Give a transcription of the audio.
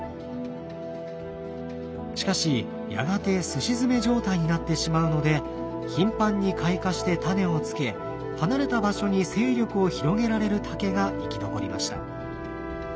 しかしやがてすし詰め状態になってしまうので頻繁に開花してタネをつけ離れた場所に勢力を広げられる竹が生き残りました。